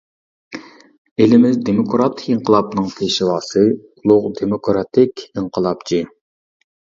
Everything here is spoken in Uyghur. ئېلىمىز دېموكراتىك ئىنقىلابىنىڭ پېشۋاسى، ئۇلۇغ دېموكراتىك ئىنقىلابچى.